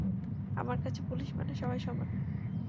আমার কাছে পুলিশ মানে সবাই সমান।